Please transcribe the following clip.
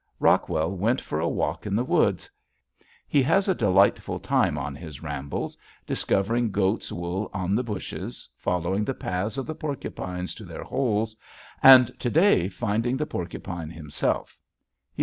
Rockwell went for a walk in the woods; he has a delightful time on his rambles, discovering goats' wool on the bushes, following the paths of the porcupines to their holes, and to day finding the porcupine himself.